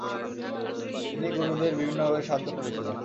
তিনি গুরুদের বিভিন্নভাবে সাহায্য করেছিলেন।